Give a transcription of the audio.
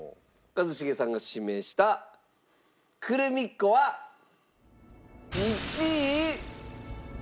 一茂さんが指名したクルミッ子は１位。